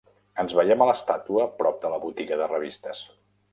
Ens veiem a l'estàtua prop de la botiga de revistes.